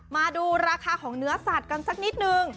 มาดูราคาของเนื้อสัตว์กันสักนิดนึง